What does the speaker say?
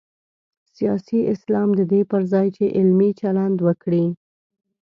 سیاسي اسلام د دې پر ځای چې علمي چلند وکړي.